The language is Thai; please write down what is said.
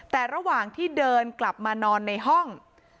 แต่ระหว่างที่เดินกลับมานอนในห้อง